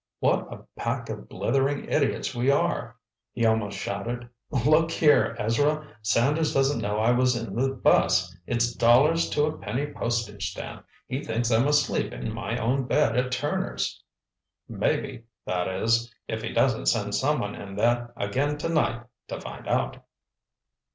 "What a pack of blithering idiots we are!" he almost shouted. "Look here, Ezra! Sanders doesn't know I was in the bus. It's dollars to a penny postage stamp, he thinks I'm asleep in my own bed at Turner's!" "Maybe. That is, if he doesn't send someone in there again to night to find out."